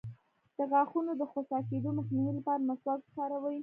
د غاښونو د خوسا کیدو مخنیوي لپاره مسواک وکاروئ